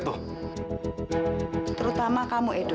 terutama kamu edo